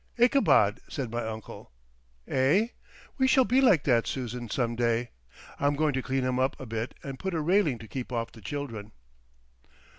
"Ichabod," said my uncle. "Eh? We shall be like that, Susan, some day.... I'm going to clean him up a bit and put a railing to keep off the children."